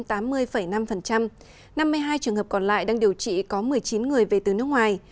năm mươi hai trường hợp còn lại đang điều trị có một mươi chín người về từ nước ngoài